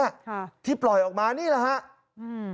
ค่ะที่ปล่อยออกมานี่แหละฮะอืม